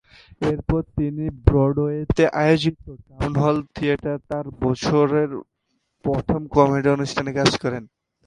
এরপর তিনি ব্রডওয়েতে আয়োজিত টাউন হল থিয়েটারে তার বছরের প্রথম কমেডি অনুষ্ঠান কাজ করেন।